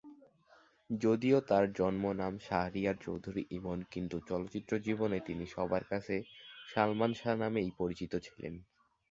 যদিও তার জন্মনাম শাহরিয়ার চৌধুরী ইমন, কিন্তু চলচ্চিত্র জীবনে তিনি সবার কাছে সালমান শাহ বলেই পরিচিত ছিলেন।